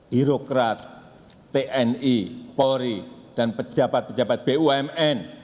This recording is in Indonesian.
birokrat tni polri dan pejabat pejabat bumn